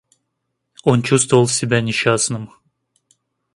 Он чувствовал себя несчастным.